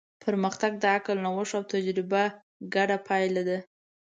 پرمختګ د عقل، نوښت او تجربه ګډه پایله ده.